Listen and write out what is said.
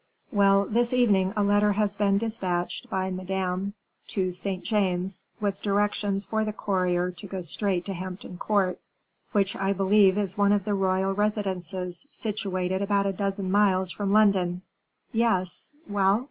"Well, this evening a letter has been dispatched by Madame to Saint James's, with directions for the courier to go straight to Hampton Court, which I believe is one of the royal residences, situated about a dozen miles from London." "Yes, well?"